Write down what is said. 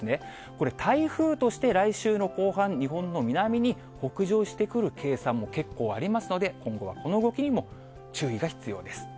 これ、台風として来週の後半、日本の南に北上してくる計算も結構ありますので、今後はこの動きにも注意が必要です。